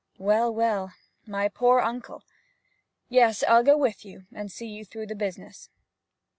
'Well, well my poor uncle! Yes, I'll go with you, and see you through the business.'